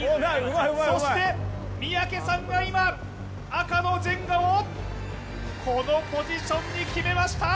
そして三宅さんが今、赤のジェンガをこのポジションに決めました。